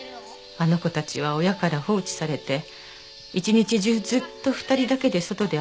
あの子たちは親から放置されて一日中ずっと２人だけで外で遊んでた。